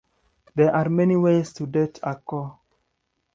There are many ways to date a core.